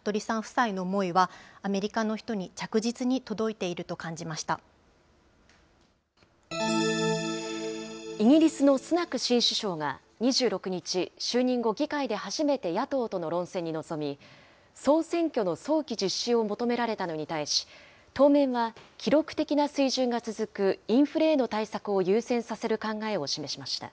少しでも変わってくれる人がいたらという服部さん夫妻の思いは、アメリカの人に着実に届いているイギリスのスナク新首相が２６日、就任後、議会で初めて野党との論戦に臨み、総選挙の早期実施を求められたのに対し、当面は記録的な水準が続くインフレへの対策を優先させる考えを示しました。